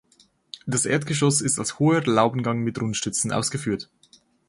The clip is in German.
Das Erdgeschoss ist als hoher Laubengang mit Rundstützen ausgeführt.